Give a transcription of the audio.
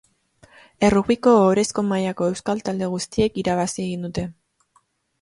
Errugbiko ohorezko mailako euskal talde guztiek irabazi egin dute.